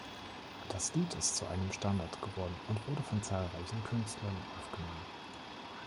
Das Lied ist zu einem Standard geworden und wurde von zahlreichen Künstlern aufgenommen.